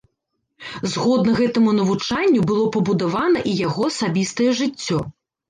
Згодна гэтаму навучанню было пабудавана і яго асабістае жыццё.